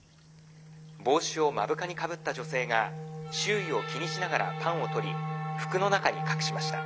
帽子を目深にかぶった女性が周囲を気にしながらパンをとり服の中に隠しました」。